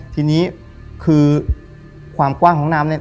ทีนี้คือความกว้างของน้ำเนี่ย